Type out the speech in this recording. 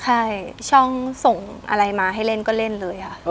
ใช่ช่องส่งอะไรมาให้เล่นก็เล่นเลยค่ะ